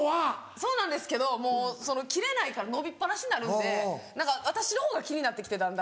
そうなんですけど切れないから伸びっ放しになるんで何か私のほうが気になって来てだんだん。